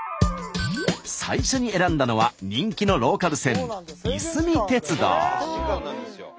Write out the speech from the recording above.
最初に選んだのは人気のローカル線いすみ鉄道。